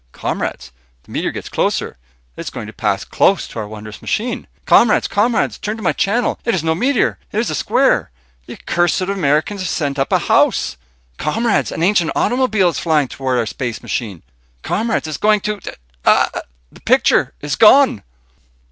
Comrades, the meteor gets larger. It is going to pass close to our wondrous machine. Comrades ... Comrades ... turn to my channel. It is no meteor it is square. The accursed Americans have sent up a house. Comrades ... an ancient automobile is flying toward our space machine. Comrades ... it is going to Ah ... the picture is gone."